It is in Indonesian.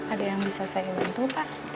ada yang bisa saya bantu pak